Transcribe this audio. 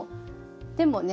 でもね